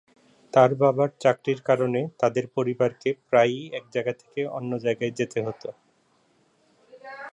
তার বাবার চাকরির কারণে তাদের পরিবারকে প্রায়ই এক জায়গা থেকে অন্য জায়গায় যেতে হত।